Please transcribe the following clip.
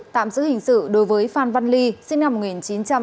tạm giữ hình sự đối với phan văn ly sinh năm một nghìn chín trăm tám mươi